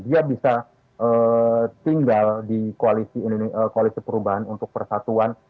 dia bisa tinggal di koalisi perubahan untuk persatuan